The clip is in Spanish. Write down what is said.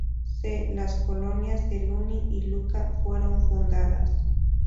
C.. las colonias de Luni y Lucca fueron fundadas.